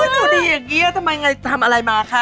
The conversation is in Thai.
ถูกดีอย่างเงี๊ยบทำไมไงทำอะไรมาคะ